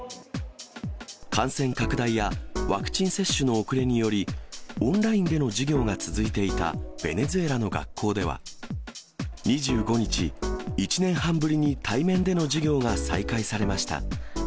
感染拡大やワクチン接種の遅れにより、オンラインでの授業が続いていたベネズエラの学校では２５日、１年半ぶりに対面での授業が再開されました。